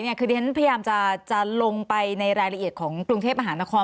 คือที่ฉันพยายามจะลงไปในรายละเอียดของกรุงเทพมหานคร